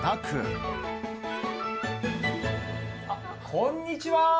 こんにちは。